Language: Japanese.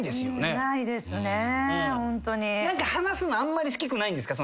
話すのあんまり好きくないんですか？